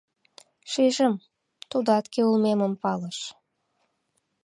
Шижым, тудат кӧ улмемым палыш.